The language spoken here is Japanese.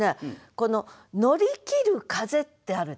この「乗り切る風」ってあるでしょ。